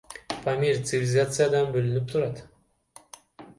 Памир цивилизациядан бөлүнүп турат.